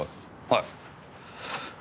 はい。